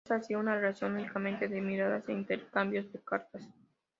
Comienza así una relación únicamente de miradas e intercambio de cartas.